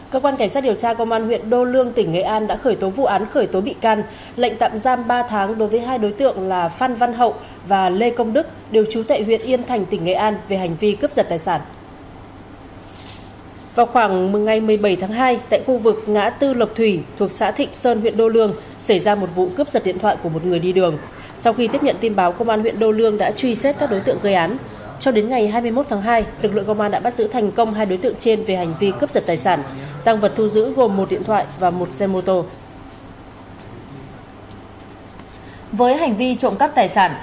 cơ quan cảnh sát điều tra công an huyện đô lương tỉnh nghệ an đã khởi tố vụ án khởi tố bị can lệnh tạm giam ba tháng đối với hai đối tượng là phan văn hậu và lê công đức đều trú tại huyện yên thành tỉnh nghệ an về hành vi cướp giật tài sản